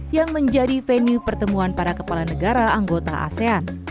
yang menjadi venue pertemuan para kepala negara anggota asean